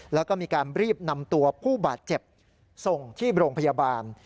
แล้วก็มีการรีบนำตัวผู้บาดเจ็บส่งที่โรงพยาบาล